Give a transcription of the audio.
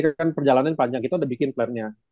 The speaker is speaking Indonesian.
kan perjalanan panjang kita udah bikin plannya